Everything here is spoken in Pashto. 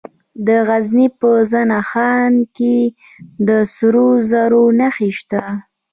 د غزني په زنه خان کې د سرو زرو نښې شته.